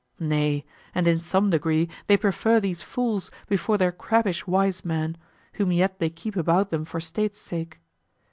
Nay, and in some degree they prefer these fools before their crabbish wise men, whom yet they keep about them for state's sake.